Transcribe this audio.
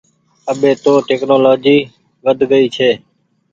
اٻي تو ٽيڪنولآجي ود گئي ڇي۔